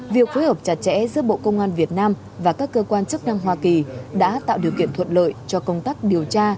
việc phối hợp chặt chẽ giữa bộ công an việt nam và các cơ quan chức năng hoa kỳ đã tạo điều kiện thuận lợi cho công tác điều tra